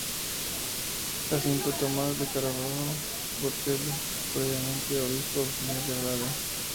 Jacinto Tomás de Carvalho Botelho, previamente obispo auxiliar de Braga.